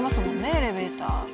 エレベーター。